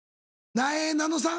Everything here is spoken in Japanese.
なえなのさん